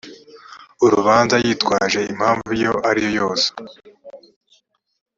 urubanza yitwaje impamvu iyo ari yo yose